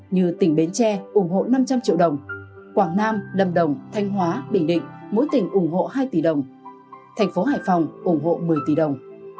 như tỉnh bến tre ủng hộ năm trăm linh triệu đồng quảng nam lâm đồng thanh hóa bình định mỗi tỉnh ủng hộ hai tỷ đồng tp hcm ủng hộ một mươi tỷ đồng